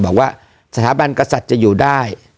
บอกว่าสถาบันกษัตริย์จะอยู่ได้